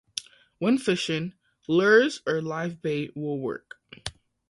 When fishing, lures or live bait will work.